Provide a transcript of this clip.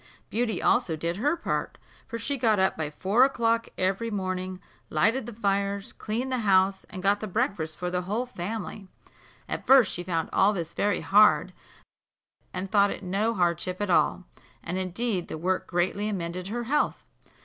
Beauty also did her part, for she got up by four o'clock every morning, lighted the fires, cleaned the house, and got the breakfast for the whole family. At first she found all this very hard; but she soon grew quite used to it, and thought it no hardship at all; and indeed the work greatly amended her health.